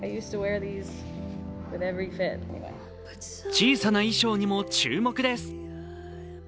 小さな衣装にも注目です。